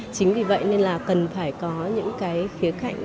chính vì vậy nên là cần phải có những cái khía cạnh